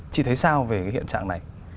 chị thấy sao về hiện trạng này